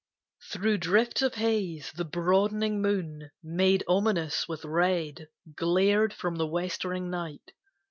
Through drifts of haze The broadening moon, made ominous with red, Glared from the westering night.